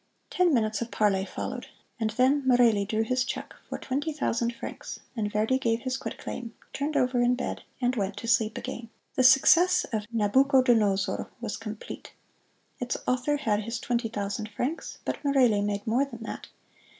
Ten minutes of parley followed, and then Merelli drew his check for twenty thousand francs, and Verdi gave his quitclaim, turned over in bed, and went to sleep again. The success of "Nabucodonosor" was complete. Its author had his twenty thousand francs, but Merelli made more than that.